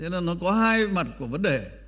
nó có hai mặt của vấn đề